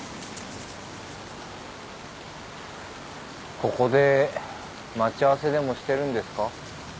ここで待ち合わせでもしてるんですか？